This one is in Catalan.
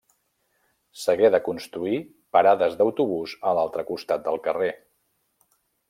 S'hagué de construir parades d'autobús a l'altre costat del carrer.